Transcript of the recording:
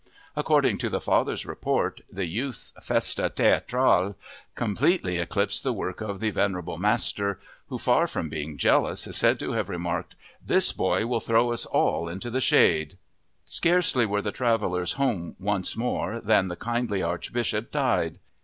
According to the father's report, the youth's festa teatrale completely eclipsed the work of the venerable master who, far from being jealous, is said to have remarked, "This boy will throw us all into the shade." Scarcely were the travelers home once more than the kindly Archbishop died.